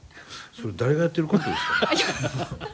それ誰がやってるコントですか？